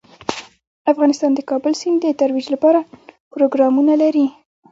افغانستان د د کابل سیند د ترویج لپاره پروګرامونه لري.